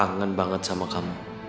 kangen banget sama kamu